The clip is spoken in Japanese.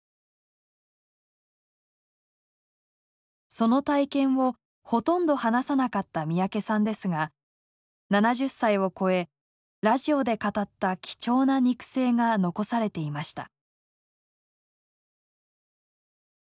その体験をほとんど話さなかった三宅さんですが７０歳を超えラジオで語った貴重な肉声が残されていました。